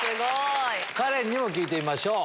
カレンにも聞いてみましょう。